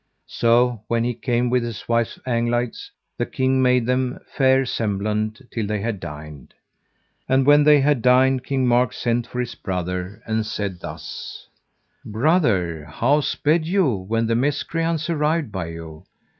So when he came with his wife Anglides, the king made them fair semblant till they had dined. And when they had dined King Mark sent for his brother and said thus: Brother, how sped you when the miscreants arrived by you?